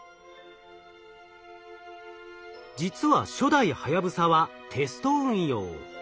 実は初代はやぶさはテスト運用。